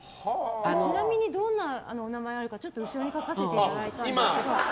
ちなみにどんな名前があるか後ろに書かせていただきました。